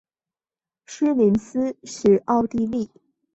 施林斯是奥地利福拉尔贝格州费尔德基希县的一个市镇。